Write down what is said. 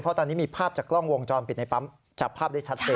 เพราะตอนนี้มีภาพจากกล้องวงจรปิดในปั๊มจับภาพได้ชัดเจน